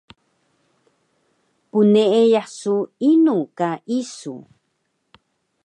Pneeyah su inu ka isu?